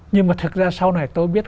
nhưng mà thực ra sau này tôi biết